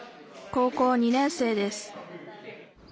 高校２年生です